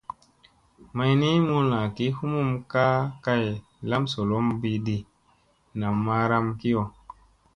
May ni, mulla gi humum ka kay lamzolomɓi ɗi, nam maaram kiyo.